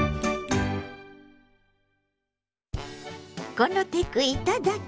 「このテクいただき！